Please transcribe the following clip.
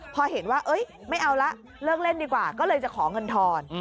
พอเห็นว่าไม่เอาละเลิกเล่นดีกว่าก็เลยจะขอเงินทอน